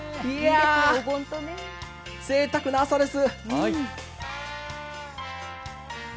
ぜいたくな朝です。